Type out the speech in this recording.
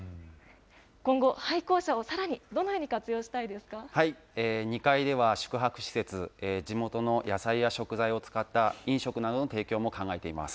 今後、廃校舎をさらにどのように活用したいですか２階では、宿泊施設、地元の野菜や食材を使った飲食などの提供も考えています。